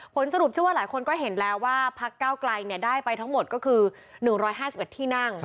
สรุปชื่อว่าหลายคนก็เห็นแล้วว่าพักเก้าไกลได้ไปทั้งหมดก็คือ๑๕๑ที่นั่ง